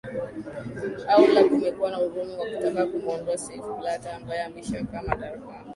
au la kumekuwa na uvumi wa kutaka kumwondoa seif blatta ambaye amesha kaa madarakani